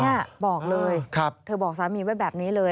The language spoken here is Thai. นี่บอกเลยเธอบอกสามีไว้แบบนี้เลย